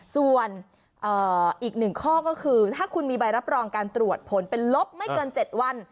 ส่วนอีกหนึ่งข้อก็คือถ้าคุณมีใบรับรองการตรวจผลเป็นลบไม่เกิน๗วัน